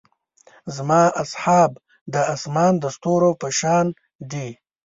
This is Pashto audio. زما اصحاب د اسمان د ستورو پۀ شان دي.